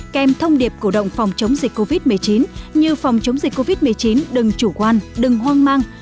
kèm thông điệp cổ động phòng chống dịch covid một mươi chín như phòng chống dịch covid một mươi chín đừng chủ quan đừng hoang mang